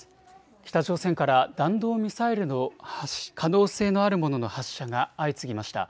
北朝鮮から弾道ミサイルの可能性のあるものの発射が相次ぎました。